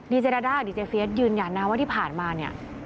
เจราด้าดีเจเฟียสยืนยันนะว่าที่ผ่านมาเนี่ย